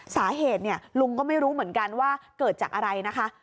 สาเหตุเนี่ยลุงก็ไม่รู้เหมือนกันว่าเกิดจากอะไรนะคะ